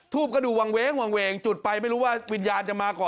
ทูบก็ดูวางเว้งวางเวงจุดไปไม่รู้ว่าวิญญาณจะมาก่อน